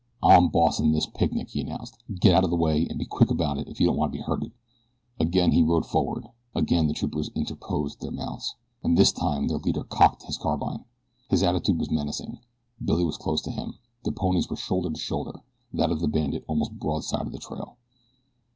"I'm bossin' this picnic," he announced. "Get out o' the way, an' be quick about it if you don't want to be hurted." Again he rode forward. Again the troopers interposed their mounts, and this time their leader cocked his carbine. His attitude was menacing. Billy was close to him. Their ponies were shoulder to shoulder, that of the bandit almost broadside of the trail.